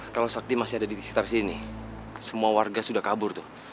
kalo sakti masih ada disini semua warga udah kabur tuh